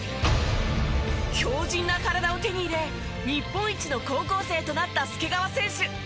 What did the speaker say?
強靱な体を手に入れ日本一の高校生となった介川選手。